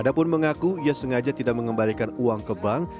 ada pun mengaku ia sengaja tidak mengembalikan uang ke bank